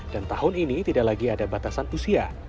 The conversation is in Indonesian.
dan tahun ini tidak lagi ada batasan usia